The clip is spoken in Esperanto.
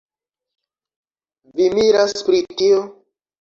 Vi miras pri tio?